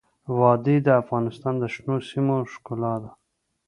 وادي د افغانستان د شنو سیمو ښکلا ده.